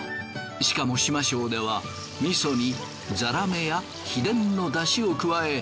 しかも島正では味噌にザラメや秘伝の出汁を加え